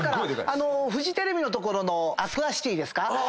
フジテレビの所のアクアシティですか。